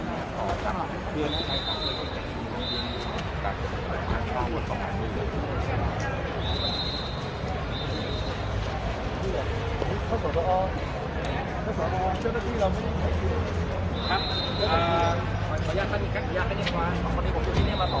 ทุกคนที่นี่เนื้อแนะนำมากหลายจากท่านทุกคนทุกคนที่นี่เนี่ย